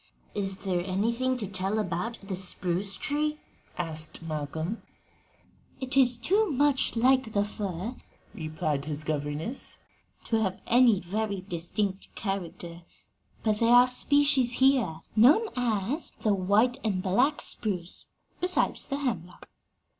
"Is there anything to tell about the spruce tree?" asked Malcolm. "It is too much like the fir," replied his governess, "to have any very distinct character; but there are species here, known as the white and black spruce, besides the hemlock."